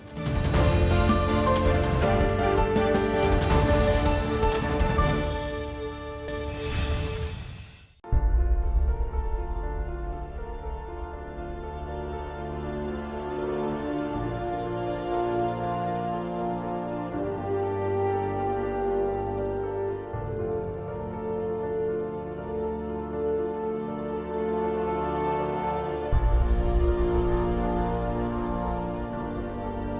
saya tidak tahu